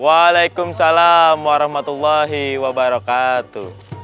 waalaikumsalam warahmatullahi wabarakatuh